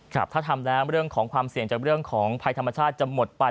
ครับถ้าทำแล้วเรื่องของความเสี่ยงจากเรื่องของภัยธรรมชาติจะหมดไป